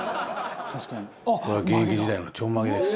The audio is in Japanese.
豊ノ島：これは現役時代のちょんまげです。